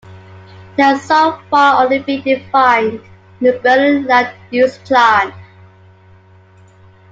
It has so far only been defined in the Berlin land use plan.